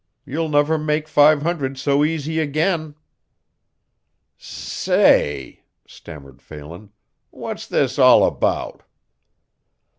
You'll never make five hundred so easy again." "S s say," stammered Phelan, "what's this all about?"